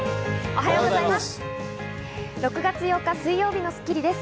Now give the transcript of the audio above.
おはようございます。